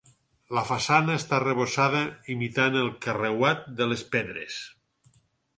La façana està arrebossada imitant el carreuat de les pedres.